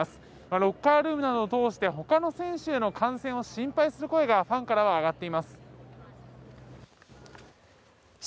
ロッカールームなどを通してほかの選手への感染を心配する声がファンからは上がっています。